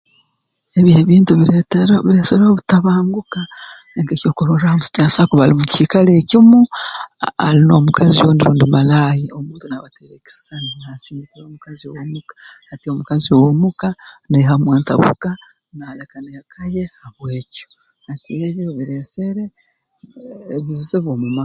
Ebi ebintu bireeta bireesereho obutabanguko ekyokurorraaho omuntu nasobora kuba ali mu kiikaro ekimu ali n'omukazi ondi rundi malaaya omuntu naabateera ekisisani naakisindikira omukazi w'omu ka hati omukazi ow'omuka naihamu entabuka naaleka n'eka ye habw'ekyo hati ebyo bireesere ebizibu mu maka